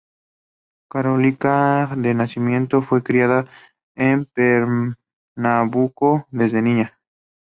Carioca de nacimiento, fue criada en Pernambuco desde niña.